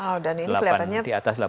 wow dan ini kelihatannya